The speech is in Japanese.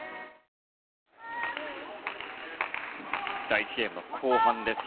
第１ゲームの後半です。